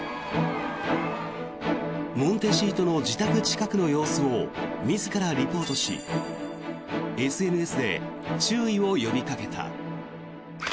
モンテシートの自宅近くの様子を自らリポートしＳＮＳで注意を呼びかけた。